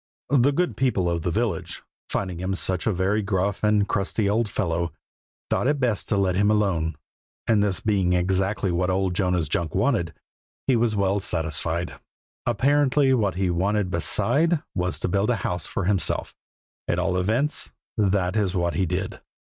The good people of the village, finding him such a very gruff and crusty old fellow, thought it best to let him alone; and this being exactly what old Jonas Junk wanted, he was well satisfied. Apparently what he wanted beside was to build a house for himself: at all events, that is what he did.